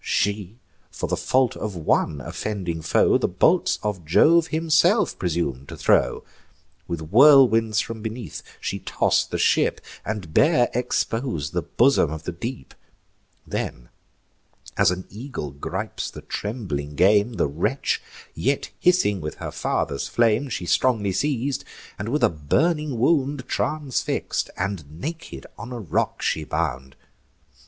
She, for the fault of one offending foe, The bolts of Jove himself presum'd to throw: With whirlwinds from beneath she toss'd the ship, And bare expos'd the bosom of the deep; Then, as an eagle gripes the trembling game, The wretch, yet hissing with her father's flame, She strongly seiz'd, and with a burning wound Transfix'd, and naked, on a rock she bound.